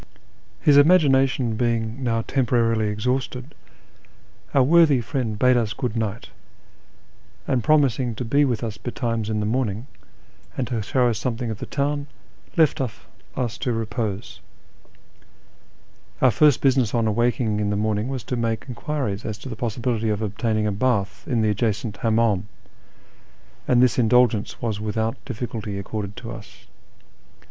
His imagination being now temporarily exhausted, our worthy friend bade us good night ; and, promising to be with us betimes in the morning, and to show us something of the town, left us to repose. Our first business on awaking in the morning was to make enquiries as to the possibility of obtaining a bath in the adjacent licmimdm, and this indulgence was without difficulty accorded to us.